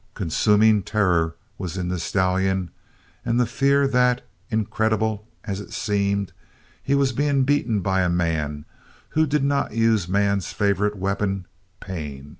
"' Consuming terror was in the stallion and the fear that, incredible as it seemed, he was being beaten by a man who did not use man's favorite weapon pain.